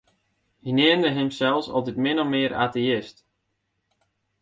Hy neamde himsels altyd min of mear ateïst.